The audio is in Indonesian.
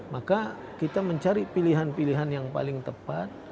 maka kita mencari pilihan pilihan yang paling tepat